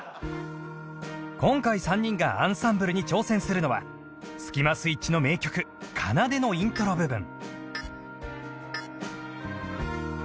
今回３人がアンサンブルに挑戦するのはスキマスイッチの名曲『奏』のイントロ部分